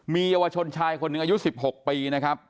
มีเยาวชนชายคนหนึ่งอายุ๑๖ปี